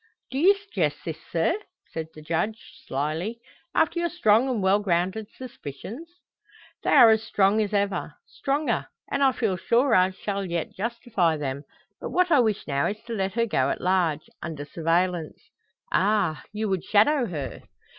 do you suggest this, sir," said the Judge, slyly. "After your strong and well grounded suspicions?" "They are as strong as ever, stronger: and I feel sure I shall yet justify them. But what I wish now is to let her go at large, under surveillance." "Ah! you would shadow her?"